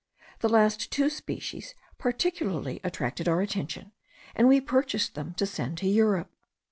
The last two species particularly attracted our attention, and we purchased them to send to Europe.